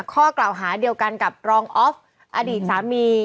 ข้อกล่าวหาเดียวกันกับรองออฟอดีตสามี